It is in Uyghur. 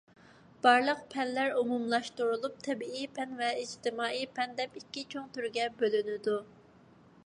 بارلىق پەنلەر ئومۇملاشتۇرۇلۇپ تەبىئىي پەن ۋە ئىجتىمائىي پەن دەپ ئىككى چوڭ تۈرگە بۆلۈنىدۇ.